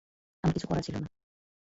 আমার কিছু করার ছিল না।